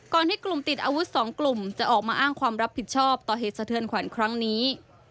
ที่กลุ่มติดอาวุธสองกลุ่มจะออกมาอ้างความรับผิดชอบต่อเหตุสะเทือนขวัญครั้งนี้